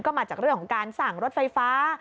ก็มาจากเรื่องการสร้างรถไฟฟ้า